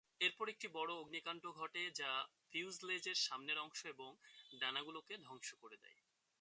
এরপর একটি বড় অগ্নিকান্ড ঘটে, যা ফিউজেলেজের সামনের অংশ এবং ডানাগুলোকে ধ্বংস করে দেয়।